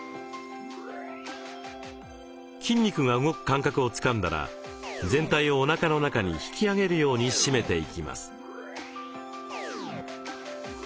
筋肉が動く感覚をつかんだら全体をおなかの中に引き上げるように締めていきます。